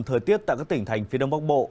thời tiết tại các tỉnh thành phía đông bắc bộ